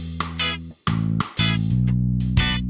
aku mau panggil nama atu